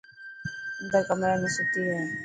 اندر ڪمري ۾ ستي هي.